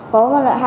có hai người mà